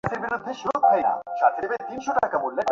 মূর্ছার পর মূর্ছা হইতে লাগিল।